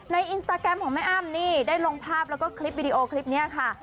อินสตาแกรมของแม่อ้ำนี่ได้ลงภาพแล้วก็คลิปวิดีโอคลิปนี้ค่ะ